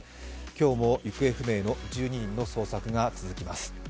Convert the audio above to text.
今日も行方不明の１２人の捜索が続きます。